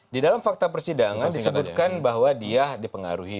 di dalam fakta persidangan disebutkan bahwa dia dipengaruhi